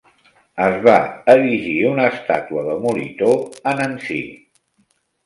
Es va erigir una estàtua de Molitor a Nancy.